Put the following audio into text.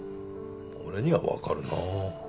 俺には分かるな。